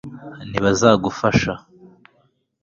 ntibazagufasha